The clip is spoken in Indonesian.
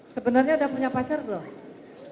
sebenarnya udah punya pacar belum